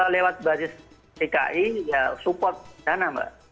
lewat basis dki ya support dana mbak